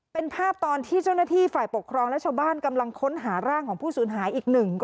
เป็นภาพตอนที่เจ้าหน้าที่ฝ่ายปกครองและชาวบ้านกำลังค้นหาร่างของผู้สูญหายอีกหนึ่ง